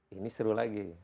ini seru lagi